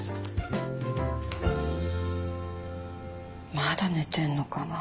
まだ寝てんのかなぁ。